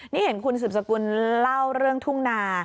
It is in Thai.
นี่เห็นคุณสืบสกุลเล่าเรื่องทุ่งนา